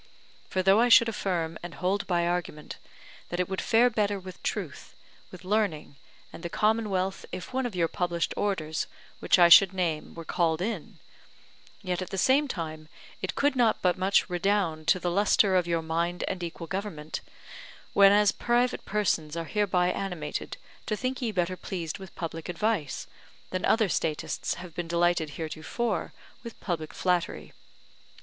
For though I should affirm and hold by argument, that it would fare better with truth, with learning and the Commonwealth, if one of your published Orders, which I should name, were called in; yet at the same time it could not but much redound to the lustre of your mild and equal government, whenas private persons are hereby animated to think ye better pleased with public advice, than other statists have been delighted heretofore with public flattery.